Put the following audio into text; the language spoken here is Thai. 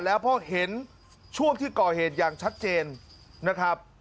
แล้วเพราะเห็นช่วงที่ก่อเหตุอย่างชัดเจนนะครับ